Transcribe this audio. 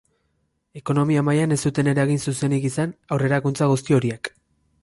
Ekonomia mailan ez zuten eragin zuzenik izan aurrerakuntza guzti horiek.